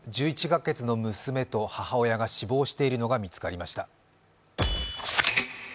１１ヶ月の娘と母親が死亡しているのが見つかりました。